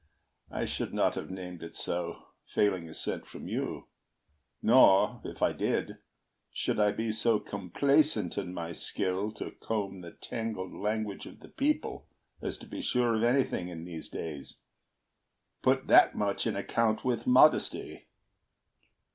I should not have named it so, Failing assent from you; nor, if I did, Should I be so complacent in my skill To comb the tangled language of the people As to be sure of anything in these days. Put that much in account with modesty.